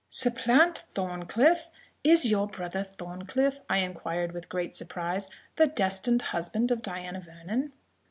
"Supplant Thorncliff! Is your brother Thorncliff," I inquired, with great surprise, "the destined husband of Diana Vernon?"